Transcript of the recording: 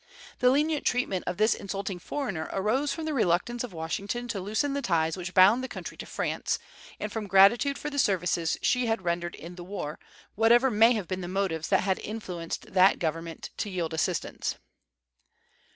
The lenient treatment of this insulting foreigner arose from the reluctance of Washington to loosen the ties which bound the country to France, and from gratitude for the services she had rendered in the war, whatever may have been the motives that had influenced that government to yield assistance.